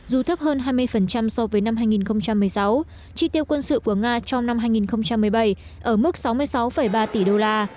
dù thấp hơn hai mươi so với năm hai nghìn một mươi sáu chi tiêu quân sự của nga trong năm hai nghìn một mươi bảy ở mức sáu mươi sáu ba tỷ đô la